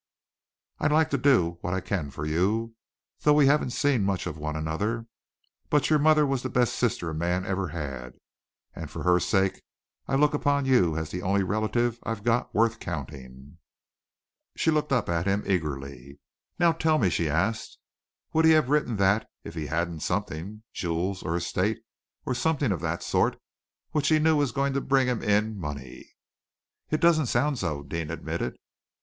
I'd like to do what I can for you, though we haven't seen much of one another, but your mother was the best sister a man ever had, and for her sake I look upon you as the only relative I've got worth counting.'" She looked up at him eagerly. "Now tell me," she asked, "would he have written that if he hadn't something jewels, or estate, or something of that sort, which he knew was going to bring him in money?" "It doesn't sound so," Deane admitted.